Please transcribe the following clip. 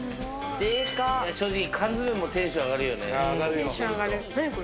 正直、缶詰もテンション上がるよね。